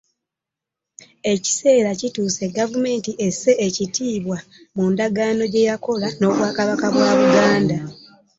Ekiseera kituuse gavumenti esse ekitiibwa mu ndagaano gye yakola n’Obwakabaka bwa Buganda